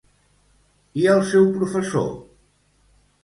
I el seu professor?